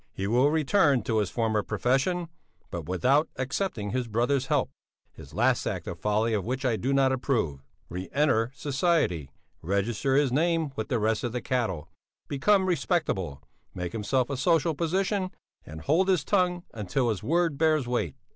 He will return to his former profession, but without accepting his brother's help his last act of folly of which I do not approve re enter society, register his name with the rest of the cattle, become respectable, make himself a social position, and hold his tongue until his word bears weight.